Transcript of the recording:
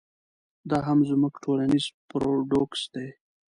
دا هم زموږ ټولنیز پراډوکس دی.